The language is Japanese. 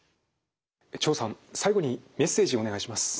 張さん最後にメッセージをお願いします。